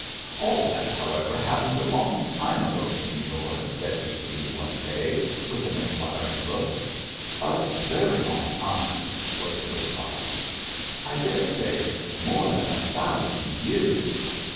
" All that, however, happened a long time ago, Signor," said he to me, one day, with an inquiring look. "A very long time," was the reply. " I dare say, more than a thousand years?"